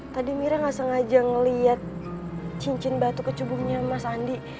tadi mira nggak sengaja ngeliat cincin batu kecubungnya mas andi